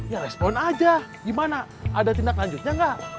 ya respon aja gimana ada tindak lanjutnya nggak